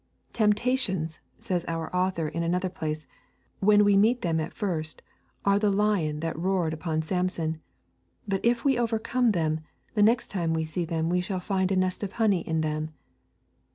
'Temptations,' says our author in another place, 'when we meet them at first, are as the lion that roared upon Samson; but if we overcome them, the next time we see them we shall find a nest of honey in them.'